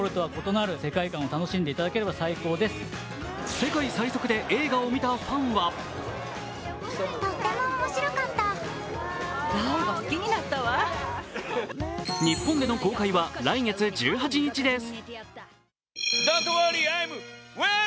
世界最速で映画を見たファンは日本での公開は来月１８日です。